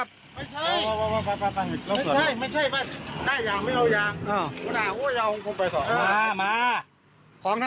ผมรู้สึกว่าผมให้ตัวตัวนะครับ